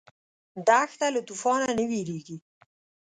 دښته له توفانه نه وېرېږي.